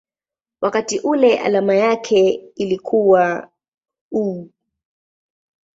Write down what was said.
wakati ule alama yake ilikuwa µµ.